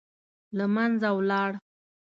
له منځه ولاړ.